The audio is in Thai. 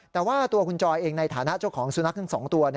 แต่ว่าตัวคุณจอยเองในฐานะเจ้าของสุนัขทั้ง๒ตัว